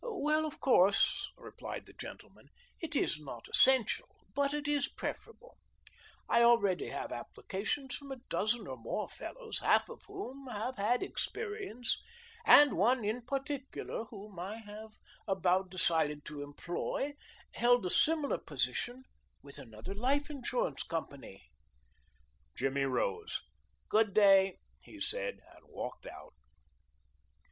"Well, of course," replied the gentleman, "it is not essential, but it is preferable. I already have applications from a dozen or more fellows, half of whom have had experience, and one in particular, whom I have about decided to employ, held a similar position with another life insurance company." Jimmy rose. "Good day," he said, and walked out.